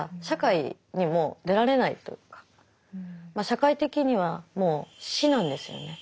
社会的にはもう死なんですよね